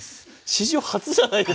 史上初じゃないですか。